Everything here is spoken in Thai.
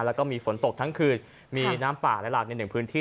แล้วก็มีฝนตกทั้งคืนมีน้ำป่าและหลากในหนึ่งพื้นที่